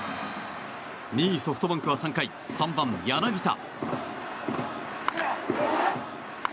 ２位ソフトバンクは３回３番、柳田。